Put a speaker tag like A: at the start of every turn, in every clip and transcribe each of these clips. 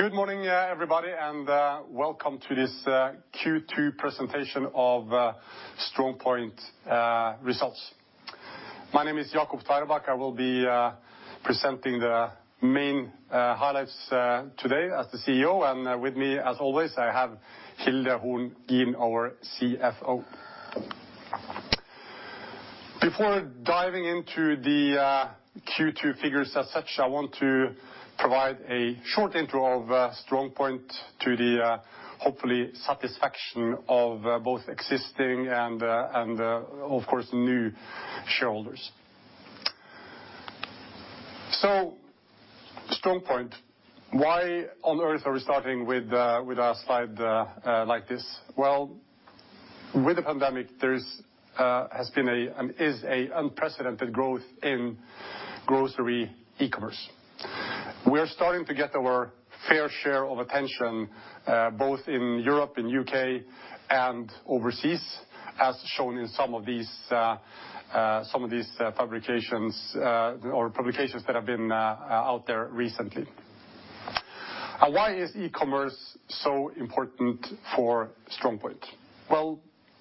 A: Good morning everybody, welcome to this Q2 presentation of StrongPoint results. My name is Jacob Tveraabak. I will be presenting the main highlights today as the CEO, with me as always, I have Hilde Horn, our CFO. Before diving into the Q2 figures as such, I want to provide a short intro of StrongPoint to the hopefully satisfaction of both existing, of course, new shareholders. StrongPoint, why on earth are we starting with a slide like this? Well, with the pandemic, there has been and is an unprecedented growth in grocery e-commerce. We are starting to get our fair share of attention, both in Europe and U.K., overseas, as shown in some of these publications that have been out there recently. Why is e-commerce so important for StrongPoint? Well,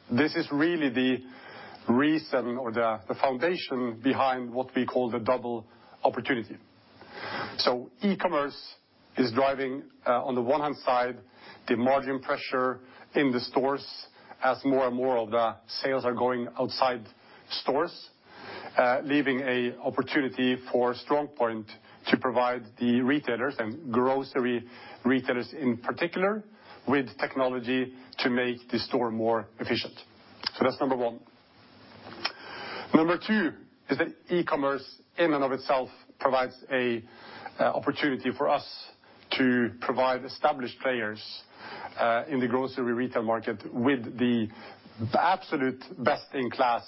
A: this is really the reason or the foundation behind what we call the double opportunity. E-commerce is driving, on the one hand side, the margin pressure in the stores as more and more of the sales are going outside stores, leaving an opportunity for StrongPoint to provide the retailers and grocery retailers in particular, with technology to make the store more efficient. That's number one. Number two is that e-commerce in and of itself provides an opportunity for us to provide established players in the grocery retail market with the absolute best in class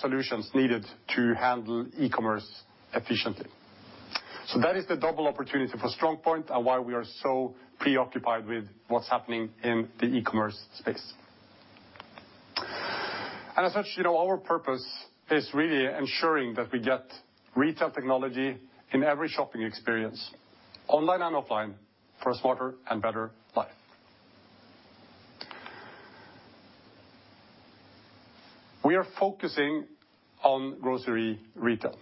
A: solutions needed to handle e-commerce efficiently. That is the double opportunity for StrongPoint and why we are so preoccupied with what's happening in the e-commerce space. Our purpose is really ensuring that we get retail technology in every shopping experience, online and offline for a smarter and better life. We are focusing on grocery retail.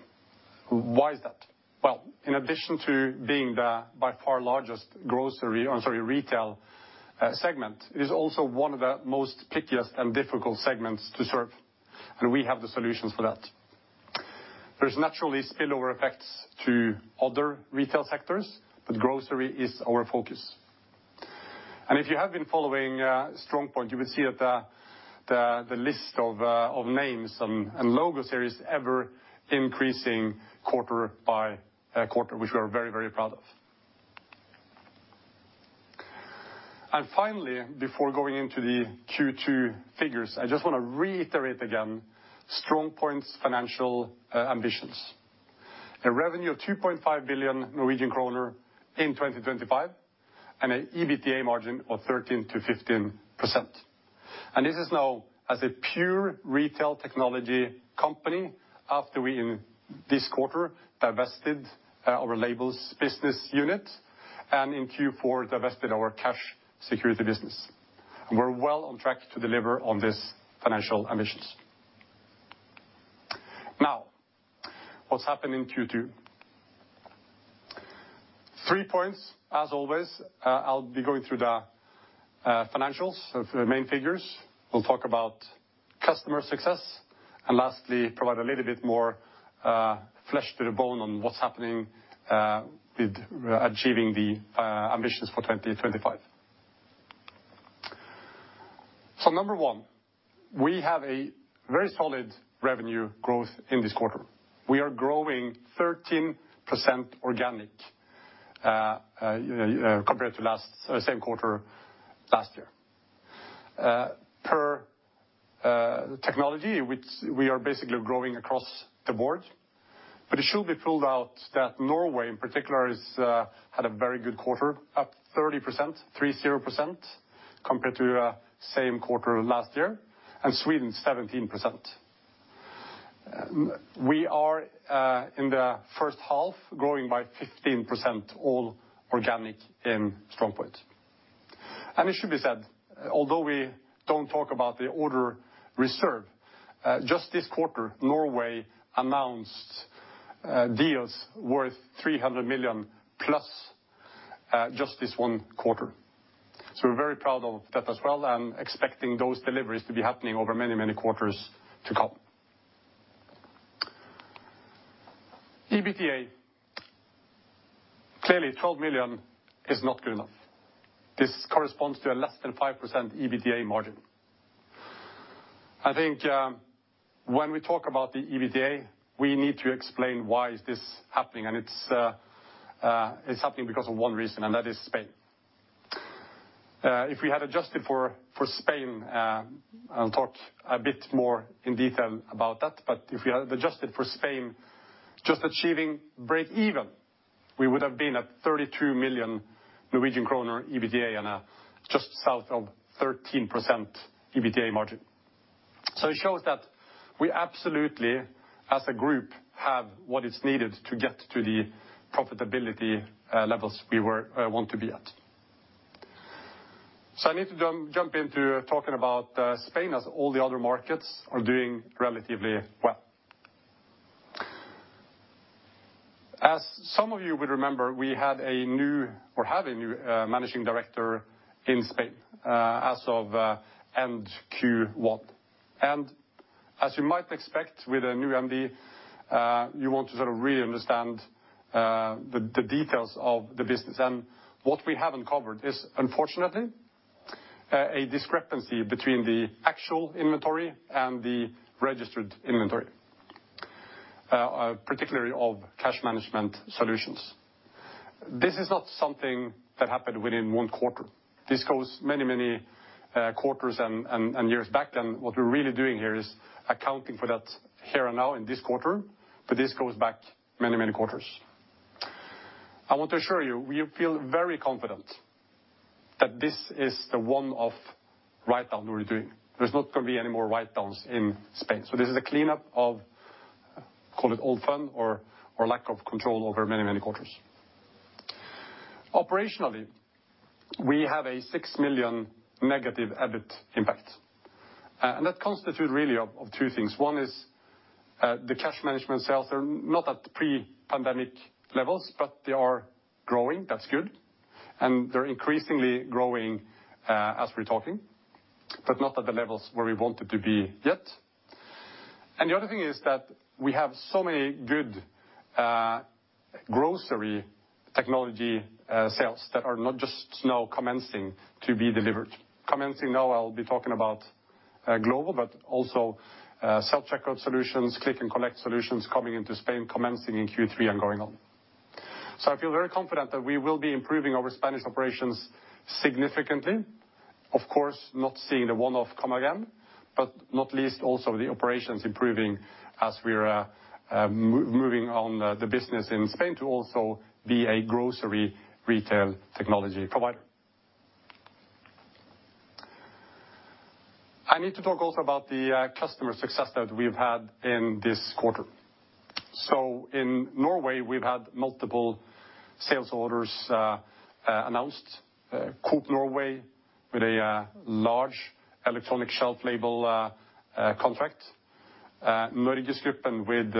A: Why is that? Well, in addition to being the by far largest grocery or sorry, retail segment, it is also one of the most pickiest and difficult segments to serve and we have the solutions for that. There's naturally spillover effects to other retail sectors, but grocery is our focus. If you have been following StrongPoint, you will see that the list of names and logos there is ever increasing quarter by quarter, which we are very, very proud of. Finally, before going into the Q2 figures, I just want to reiterate again StrongPoint's financial ambitions. A revenue of 2.5 billion Norwegian kroner in 2025 and an EBITDA margin of 13%-15%. This is now as a pure retail technology company after we in this quarter divested our Labels business unit and in Q4 divested our cash security business. We're well on track to deliver on this financial ambitions. What's happened in Q2? Three points as always. I'll be going through the financials of the main figures. We'll talk about customer success and lastly provide a little bit more flesh to the bone on what's happening with achieving the ambitions for 2025. Number one, we have a very solid revenue growth in this quarter. We are growing 13% organic, compared to the same quarter last year. Per technology, which we are basically growing across the board, but it should be pointed out that Norway in particular had a very good quarter, up 30%, compared to same quarter last year and Sweden 17%. We are in the first half growing by 15%, all organic in StrongPoint. It should be said, although we don't talk about the order reserve, just this quarter Norway announced deals worth 300 million+, just this one quarter. We're very proud of that as well and expecting those deliveries to be happening over many, many quarters to come. EBITDA, clearly 12 million is not good enough. This corresponds to a less than 5% EBITDA margin. I think when we talk about the EBITDA, we need to explain why is this happening and it's happening because of one reason and that is Spain. If we had adjusted for Spain, I'll talk a bit more in detail about that, but if we had adjusted for Spain just achieving break even, we would have been at 32 million Norwegian kroner EBITDA and just south of 13% EBITDA margin. It shows that we absolutely, as a group, have what is needed to get to the profitability levels we want to be at. I need to jump into talking about Spain as all the other markets are doing relatively well. As some of you will remember, we had a new managing director in Spain as of end Q1. As you might expect with a new MD, you want to really understand the details of the business. What we haven't covered is, unfortunately, a discrepancy between the actual inventory and the registered inventory, particularly of Cash Management solutions. This is not something that happened within one quarter. This goes many quarters and years back. What we're really doing here is accounting for that here and now in this quarter, this goes back many quarters. I want to assure you, we feel very confident that this is the one-off write-down that we're doing. There's not going to be any more write-downs in Spain. This is a cleanup of, call it [old fun] or lack of control over many quarters. Operationally, we have a 6 million negative EBIT impact. That constitutes really of two things. One is the Cash Management sales are not at pre-pandemic levels, they are growing. That's good. They're increasingly growing as we're talking, not at the levels where we want it to be yet. The other thing is that we have so many good grocery technology sales that are not just now commencing to be delivered. Commencing now, I'll be talking about Glovo, but also self-checkout solutions, Click & Collect solutions coming into Spain commencing in Q3 and going on. I feel very confident that we will be improving our Spanish operations significantly. Of course, not seeing the one-off come again, but not least also the operations improving as we're moving on the business in Spain to also be a grocery retail technology provider. I need to talk also about the customer success that we've had in this quarter. In Norway, we've had multiple sales orders announced. Coop Norway with a large electronic shelf label contract. NorgesGruppen with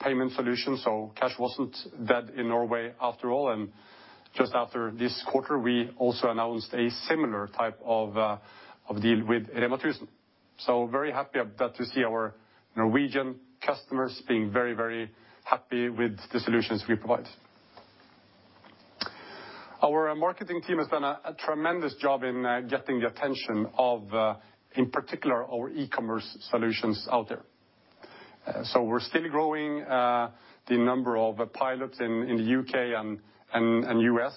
A: payment solutions. Cash wasn't dead in Norway after all. Just after this quarter, we also announced a similar type of deal with REMA 1000. Very happy to see our Norwegian customers being very happy with the solutions we provide. Our marketing team has done a tremendous job in getting the attention of, in particular, our e-commerce solutions out there. We're still growing the number of pilots in the U.K. and U.S.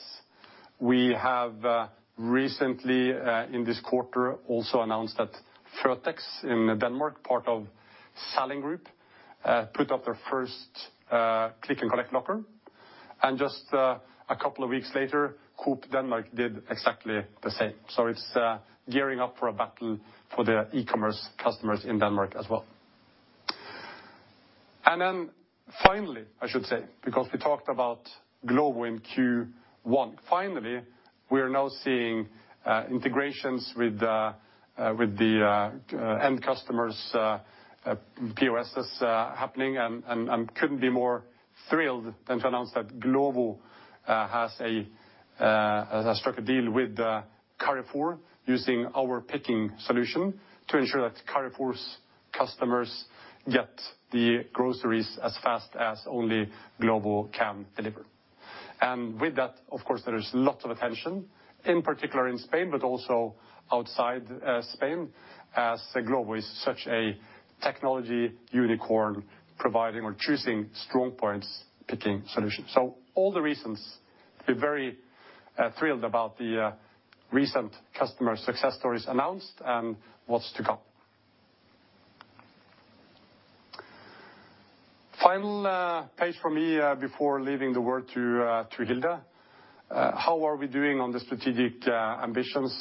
A: We have recently in this quarter also announced that føtex in Denmark, part of Salling Group, put up their first Click & Collect locker. Just a couple of weeks later, Coop Denmark did exactly the same. It's gearing up for a battle for their e-commerce customers in Denmark as well. Finally, I should say, because we talked about Glovo in Q1. Finally, we are now seeing integrations with the end customers, POSs happening and couldn't be more thrilled than to announce that Glovo has struck a deal with Carrefour using our picking solution to ensure that Carrefour's customers get the groceries as fast as only Glovo can deliver. With that, of course, there is a lot of attention, in particular in Spain, but also outside Spain, as Glovo is such a technology unicorn providing or choosing StrongPoint's picking solutions. All the reasons to be very thrilled about the recent customer success stories announced and what's to come. Final page for me before leaving the word to Hilde Horn Gilen. How are we doing on the strategic ambitions?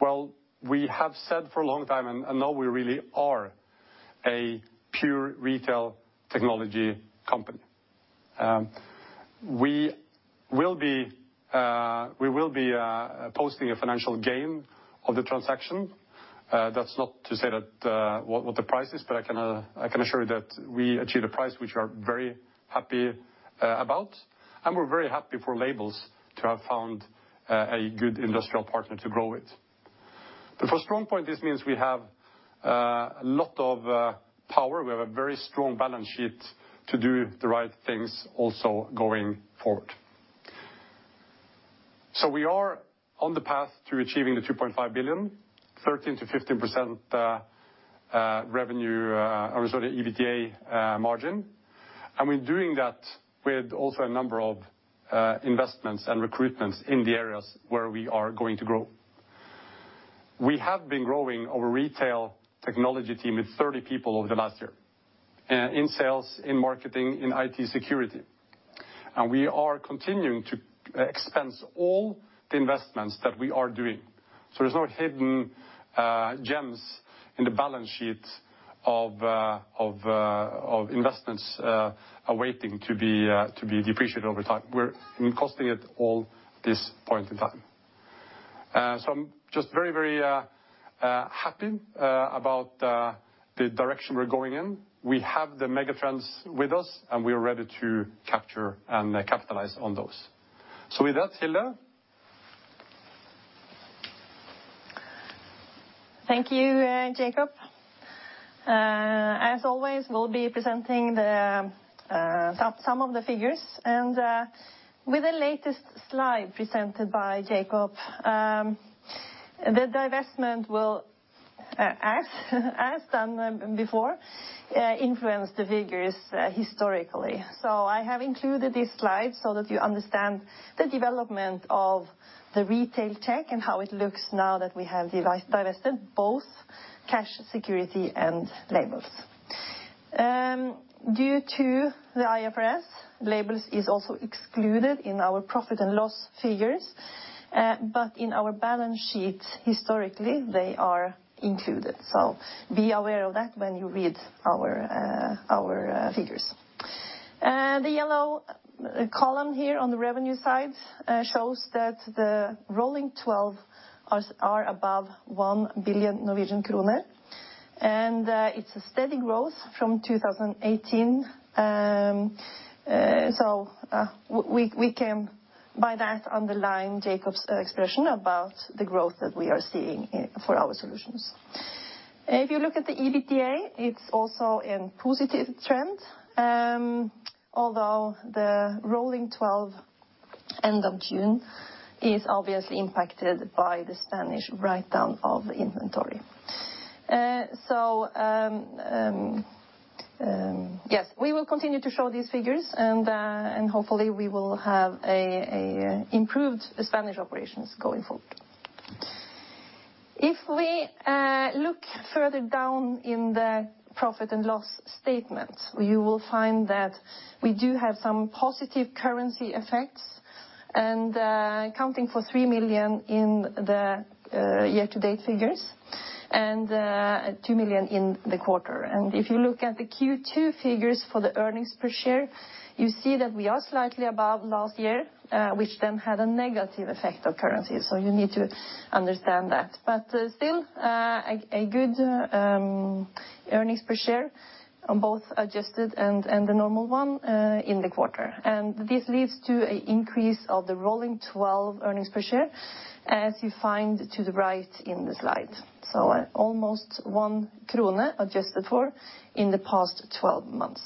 A: Well, we have said for a long time, and now we really are a pure retail technology company. We will be posting a financial gain on the transaction. That's not to say what the price is, but I can assure you that we achieve a price which we are very happy about, and we're very happy for Labels to have found a good industrial partner to grow it. For StrongPoint, this means we have a lot of power. We have a very strong balance sheet to do the right things also going forward. We are on the path to achieving the 2.5 billion, 13%-15% EBITDA margin. We're doing that with also a number of investments and recruitments in the areas where we are going to grow. We have been growing our retail technology team with 30 people over the last year in sales, in marketing, in IT security. We are continuing to expense all the investments that we are doing. There's no hidden gems in the balance sheet of investments awaiting to be depleted over time. We're costing it all this point in time. I'm just very happy about the direction we're going in. We have the megatrends with us, and we are ready to capture and capitalize on those. With that, Hilde.
B: Thank you, Jacob. As always, we will be presenting some of the figures. With the latest slide presented by Jacob, the divestment will, as done before, influence the figures historically. I have included this slide so that you understand the development of the Retail Tech and how it looks now that we have divested both Cash Security, and Labels. Due to the IFRS, Labels is also excluded in our profit and loss figures. In our balance sheet, historically, they are included. Be aware of that when you read our figures. The yellow column here on the revenue side shows that the rolling 12 are above 1 billion Norwegian kroner, and it is a steady growth from 2018. We can by that underline Jacob's expression about the growth that we are seeing for our solutions. If you look at the EBITDA, it is also a positive trend. Although the rolling 12 end of June is obviously impacted by the Spanish write-down of inventory. We will continue to show these figures, and hopefully, we will have improved Spanish operations going forward. If we look further down in the profit and loss statement, you will find that we do have some positive currency effects and accounting for 3 million in the year-to-date figures and 2 million in the quarter. If you look at the Q2 figures for the earnings per share, you see that we are slightly above last year, which then had a negative effect of currency. You need to understand that. Still a good earnings per share, both adjusted and the normal one in the quarter. This leads to an increase of the rolling 12 earnings per share as you find to the right in the slide. Almost 1 krone adjusted for in the past 12 months.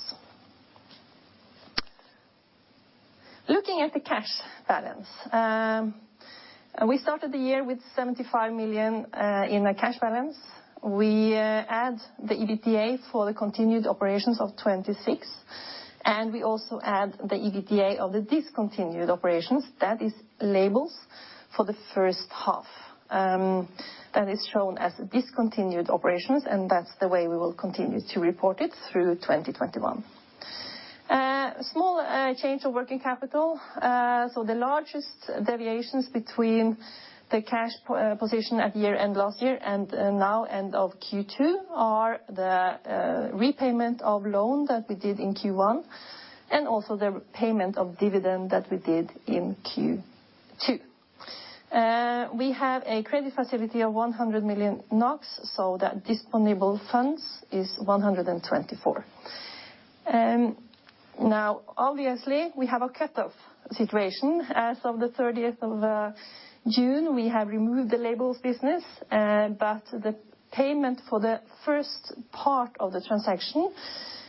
B: Looking at the cash balance. We started the year with 75 million in the cash balance. We add the EBITDA for the continued operations of 26 million, and we also add the EBITDA of the discontinued operations. That is Labels for the first half, and it's shown as discontinued operations, and that's the way we will continue to report it through 2021. Small change of working capital. The largest deviations between the cash position at year-end last year and now end of Q2 are the repayment of loan that we did in Q1 and also the payment of dividend that we did in Q2. We have a credit facility of 100 million NOK, so that disposable funds is 124 million. Obviously, we have a cut-off situation. As of the 30th of June, we have removed the Labels business, but the payment for the first part of the transaction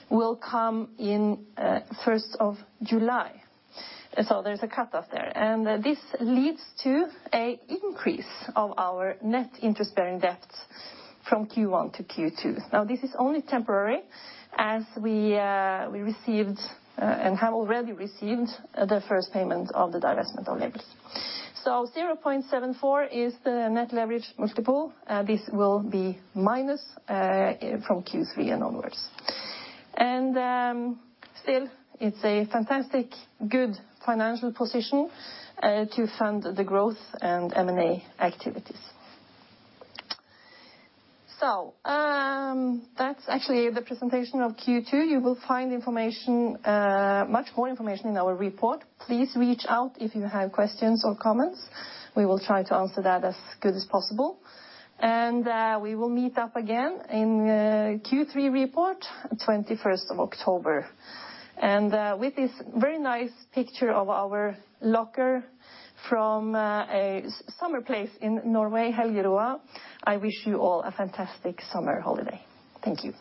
B: will come in 1st of July. There's a cut-off there. This leads to an increase of our net interest-bearing debt from Q1-Q2. Now, this is only temporary as we received and have already received the first payment of the divestment of Labels. 0.74 is the net leverage multiple. This will be minus from Q3 and onwards. Still, it's a fantastic, good financial position to fund the growth and M&A activities. That's actually the presentation of Q2. You will find much more information in our report. Please reach out if you have questions or comments. We will try to answer that as good as possible. We will meet up again in Q3 report, 21st of October. With this very nice picture of our locker from a summer place in Norway, Helgeroa, I wish you all a fantastic summer holiday. Thank you.